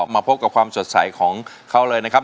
มาพบกับความสดใสของเขาเลยนะครับ